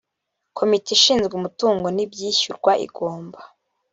komite ishinzwe umutungo n ibyishyurwa igomba